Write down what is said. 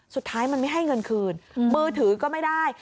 สุดท้ายมันไม่ให้เงินคืนมือถือก็ไม่ได้